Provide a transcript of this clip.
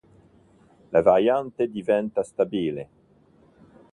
La variante diventa stabile.